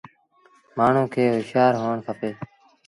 مآڻهوٚݩ کي هوشآر هوڻ کپي۔